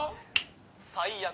「最悪」。